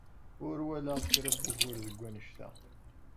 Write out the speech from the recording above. Ur walaɣ kra n wugur deg wanect-a.